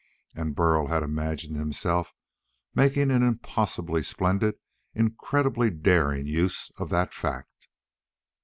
And Burl had imagined himself making an impossibly splendid, incredibly daring use of that fact.